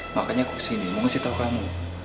makanya aku kesini mau ngasih tau kamu